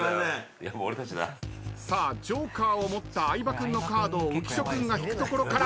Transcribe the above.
さあジョーカーを持った相葉君のカードを浮所君が引くところから。